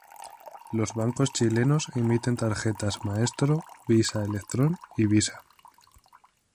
Los bancos chilenos emiten tarjetas Maestro, Visa Electrón y Visa.